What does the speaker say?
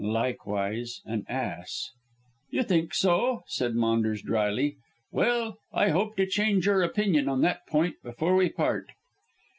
"Likewise an ass." "You think so?" said Maunders drily. "Well, I hope to change your opinion on that point before we part."